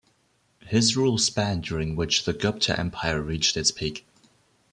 His rule spanned during which the Gupta Empire reached its peak.